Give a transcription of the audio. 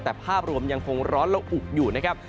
แต่ภาพรวมยังคงร้อนและอุอยู่นะครับ